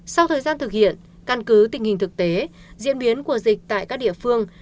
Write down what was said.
sau thời gian thực hiện căn cứ tình hình thực tế diễn biến của dịch tại các địa phương